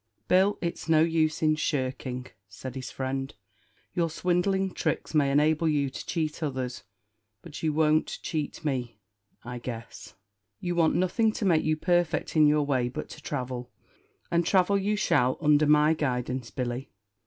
"Bill, it's no use in shirking," said his friend; "your swindling tricks may enable you to cheat others, but you won't cheat me, I guess. You want nothing to make you perfect in your way but to travel; and travel you shall under my guidance, Billy.